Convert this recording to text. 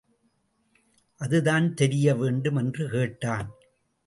அதுதான் தெரியவேண்டும்! என்று கேட்டான்.